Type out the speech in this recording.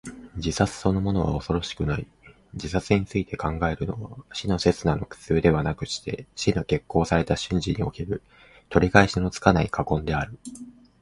自殺そのものは恐ろしくない。自殺について考えるのは、死の刹那の苦痛ではなくして、死の決行された瞬時における、取り返しのつかない悔恨である。